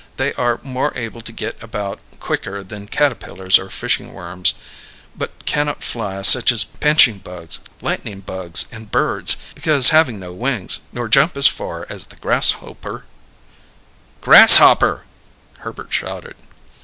They are more able to get about quicker than catapillars or fishing worms, but cannot fly such as pinching bugs, lightning bugs, and birds because having no wings, nor jump as far as the grass hoper '" "Grasshopper!" Herbert shouted.